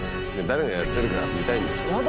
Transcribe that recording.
誰がやってるかが見たいんでしょ。